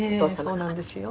そうなんですよ。